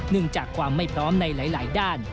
จากความไม่พร้อมในหลายด้าน